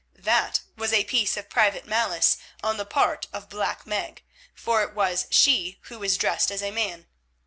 That was a piece of private malice on the part of Black Meg, for it was she who was dressed as a man.